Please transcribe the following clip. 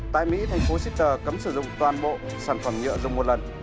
thành phố seattle cấm sử dụng toàn bộ sản phẩm nhựa dùng một lần